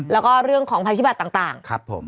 แล้วก็เรื่องของภัยพิบัตรต่างครับผม